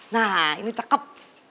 nah ini cakep